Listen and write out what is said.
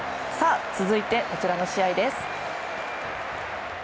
続いてこちらの試合です。